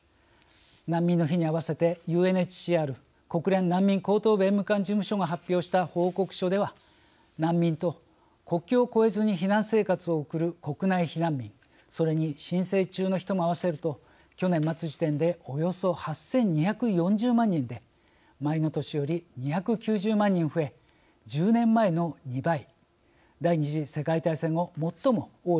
難民の日にあわせてＵＮＨＣＲ国連難民高等弁務官事務所が発表した報告書では難民と国境を越えずに避難生活を送る国内避難民それに申請中の人も合わせると去年末時点でおよそ８，２４０万人で前の年より２９０万人増え１０年前の２倍第二次世界大戦後最も多い数でした。